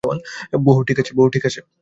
বোহ, ঠিক আছে।